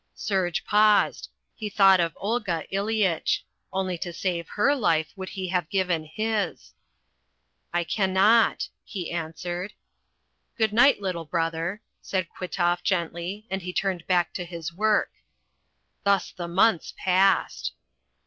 Serge paused. He thought of Olga Ileyitch. Only to save her life would he have given his. "I cannot," he answered. "Good night, little brother," said Kwitoff gently, and he turned back to his work. Thus the months passed.